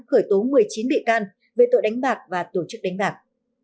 khởi tố một mươi chín bị can về tội đánh bạc và tổ chức đánh bạc